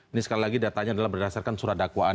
ini sekali lagi datanya adalah berdasarkan surat dakwaan